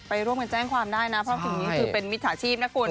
ไปร่วมกันแจ้งความได้นะเพราะสิ่งนี้คือเป็นมิจฉาชีพนะคุณ